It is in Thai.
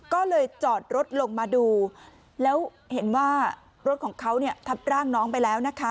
ก็เลยจอดรถลงมาดูแล้วเห็นว่ารถของเขาเนี่ยทับร่างน้องไปแล้วนะคะ